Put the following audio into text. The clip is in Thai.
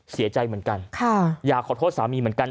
เสียใจเหมือนกันอยากขอโทษสามีเหมือนกัน